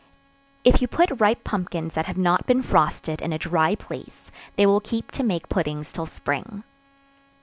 If you put ripe pumpkins that have not been frosted; in a dry place, they will keep to make puddings till spring.